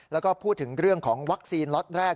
แล้วก็พูดถึงเรื่องของวัคซีนล็อตแรก